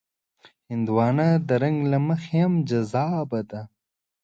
هندوانه د رنګ له مخې هم جذابه ده.